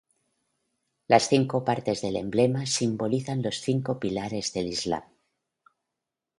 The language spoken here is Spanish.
Las cinco partes del emblema simbolizan los cinco pilares del Islam.